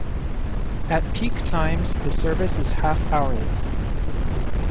At peak times the service is half-hourly.